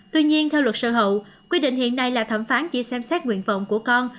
tuy nhiên theo luật sơ hậu quy định hiện nay là thẩm phán chỉ xem xét nguyện vọng của con